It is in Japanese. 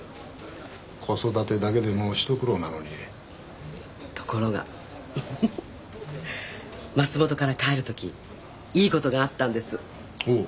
子育てだけでもひと苦労なのにところがフフフ松本から帰る時いいことがあったんですおっ！